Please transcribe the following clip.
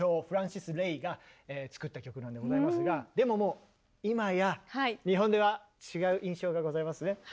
フランシス・レイが作った曲なんでございますがでももう今や日本では違う印象がございますね。